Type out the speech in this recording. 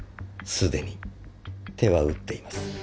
既に手は打っています。